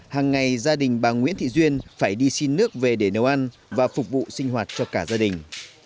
hàng ngày gia đình bà nguyễn thị duyên phải đi xin nước về để nấu ăn và phục vụ sinh hoạt cho cả gia đình